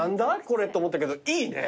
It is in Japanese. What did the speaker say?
これ」と思ったけどいいね。